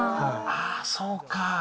ああ、そうか。